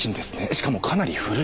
しかもかなり古い。